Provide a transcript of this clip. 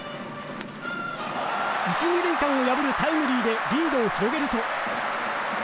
１・２塁間を破るタイムリーでリードを広げると。